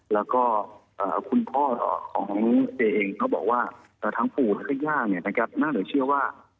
แล้วก็คุณพ่อของเจ๊เองเขาบอกว่าทั้งพูดและข้างย่างน่าจะเชื่อว่า